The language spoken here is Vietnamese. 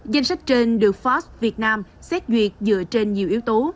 danh sách trên được forbes việt nam xét duyệt dựa trên nhiều yếu tố